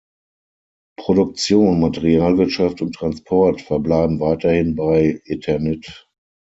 Produktion, Materialwirtschaft und Transport verbleiben weiterhin bei Eternit.